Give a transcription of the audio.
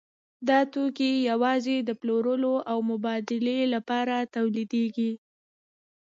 دا توکي یوازې د پلورلو او مبادلې لپاره تولیدېږي